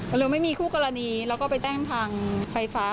เราไม่มีคู่กรณีแล้วก็ไปแจ้งทางไฟฟ้า